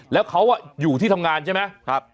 แล้วเขาอยู่ที่ทำงานใช่ไหม